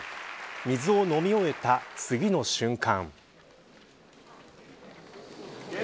水を飲み終えた次の瞬間。